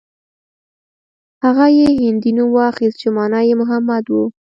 هغه يې هندي نوم واخيست چې مانا يې محمد و.